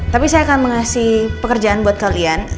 tapi saya akan mengasih pekerjaan buat kalian